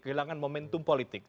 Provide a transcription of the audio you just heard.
kehilangan momentum politik